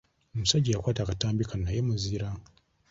Omusajja eyakwata akatambi kano naye muzira.